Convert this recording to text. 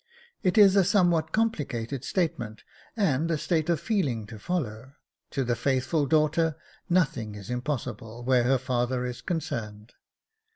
It is a somewhat complicated statement and state of feeling to follow; to the faithful daughter nothing is impossible where her father is concerned.